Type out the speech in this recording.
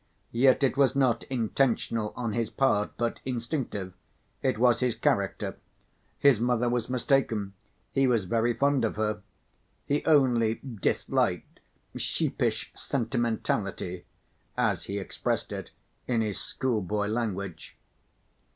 Yet it was not intentional on his part but instinctive—it was his character. His mother was mistaken; he was very fond of her. He only disliked "sheepish sentimentality," as he expressed it in his schoolboy language.